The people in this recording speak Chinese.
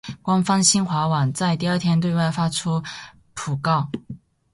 官方新华网在第二天对外发出讣告。